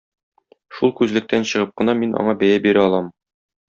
Шул күзлектән чыгып кына мин аңа бәя бирә алам.